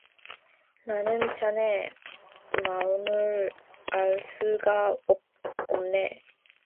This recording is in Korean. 나는 자네 마음을 알 수가 없네.